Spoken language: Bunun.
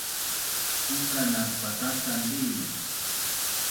Uka nak patasan di